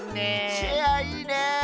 チェアいいね。